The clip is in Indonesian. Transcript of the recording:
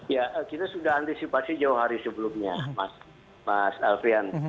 ya kita sudah antisipasi jauh hari sebelumnya mas alfreyan